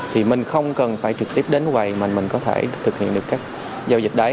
thì mình không cần phải trực tiếp đến quầy mà mình có thể thực hiện được các giao dịch đấy